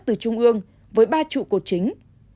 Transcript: từ trung ương với ba trụ cột chính